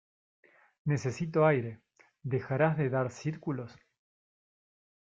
Necesito aire. ¿ dejarás de dar círculos?